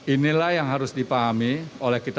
inilah yang harus dipahami oleh kita